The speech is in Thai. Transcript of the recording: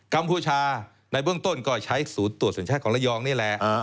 ัมพูชาในเบื้องต้นก็ใช้ศูนย์ตรวจสัญชาติของระยองนี่แหละ